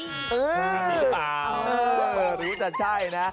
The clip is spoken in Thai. ก็ไม่รู้จะใช่นะ